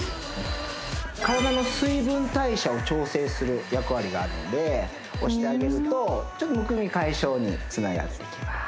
１２体の水分代謝を調整する役割があるので押してあげるとちょっとむくみ解消につながっていきます